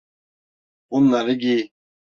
Bunları giy.